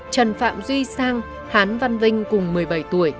trần phạm duy sang hán văn vinh cùng một mươi bảy tuổi